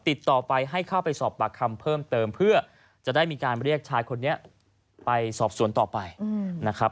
ติดต่อไปให้เข้าไปสอบปากคำเพิ่มเติมเพื่อจะได้มีการเรียกชายคนนี้ไปสอบสวนต่อไปนะครับ